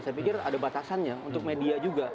saya pikir ada batasannya untuk media juga